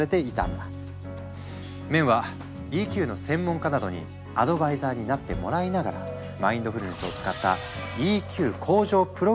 メンは「ＥＱ」の専門家などにアドバイザーになってもらいながらマインドフルネスを使ったＥＱ向上プログラムを開発。